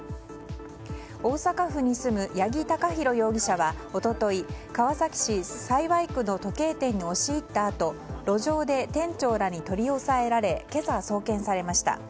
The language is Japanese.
大阪府に住む八木貴寛容疑者は一昨日川崎市幸区の時計店に押し入ったあと路上で店長らに取り押さえられ今朝、送検されました。